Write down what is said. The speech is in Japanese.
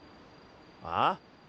ああ？